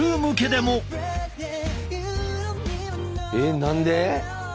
えっ何で！？